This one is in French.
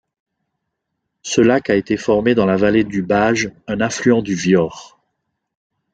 Ce lac a été formé dans la vallée du Bage, un affluent du Viaur.